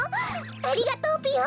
ありがとうぴよ！